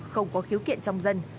không có khiếu kiện trong dân